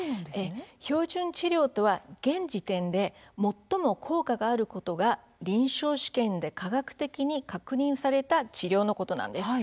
標準治療とは現時点で最も効果があることが臨床試験で科学的に確認された治療のことなんです。